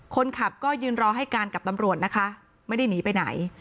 คนขับก็ยืนรอให้การกับตำรวจนะคะไม่ได้หนีไปไหน